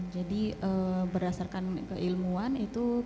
jadi berdasarkan ilmu tanatologi